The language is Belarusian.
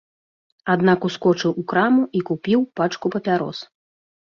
Аднак ускочыў у краму і купіў пачку папярос.